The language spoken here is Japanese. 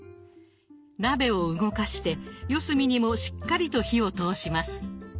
鍋を動かして四隅にもしっかりと火を通します。